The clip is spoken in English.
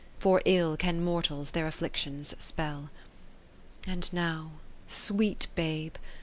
For ill can mortals their afflictions spell. Ill And now (sweet Babe